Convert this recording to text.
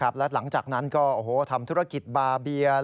ใช่แล้วหลังจากนั้นก็ทำธุรกิจบาร์เบียร์